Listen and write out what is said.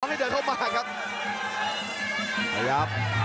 ให้เดินเข้ามาครับ